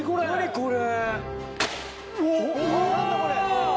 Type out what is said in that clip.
これ。